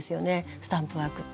スタンプワークって。